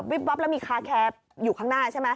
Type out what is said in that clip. วับแล้วมีคาแคร์อยู่ข้างหน้าใช่ไหม